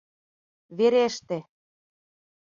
Вереште.